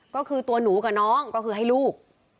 ก็คือตัวหนูกับน้องก็คือให้ลูก